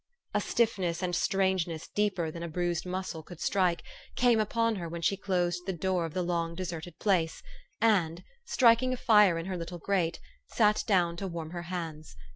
A stiffness and strangeness deeper than a bruised muscle could strike, came upon her when she closed the door of the long deserted place, and, striking a 218 THE STORY OF AVIS. fire in her little grate, sat down to warm her hands.